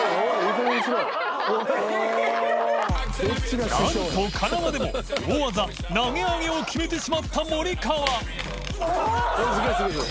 磴覆鵑金輪でも腟投げ上げを決めてしまった森川磴